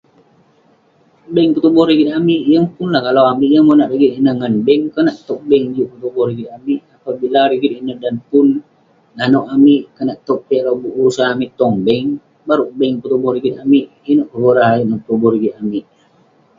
Bank petuboh rigit amik, yeng pun lah kalau amik yeng monak rigit ineh ngan bank. Konak tog bank juk petuboh rigit amik apabila rigit ineh dan pun nanouk amik konak tog piak lobuk urusan amik tong bank, baruk bank petuboh rigit amik. Inouk kevorah ayuk neh petuboh rigit amik.